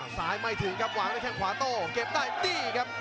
ไม่ถึงครับวางด้วยแค่งขวาโต้เก็บได้นี่ครับ